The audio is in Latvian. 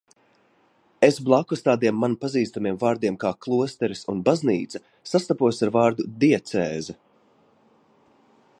"Es blakus tādiem man pazīstamiem vārdiem kā "klosteris" un "baznīca" sastapos ar vārdu "diacēze"."